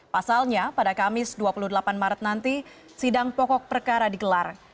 pasalnya pada kamis dua puluh delapan maret nanti sidang pokok perkara digelar